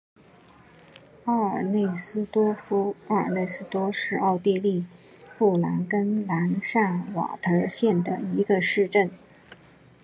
哈内尔斯多夫是奥地利布尔根兰州上瓦特县的一个市镇。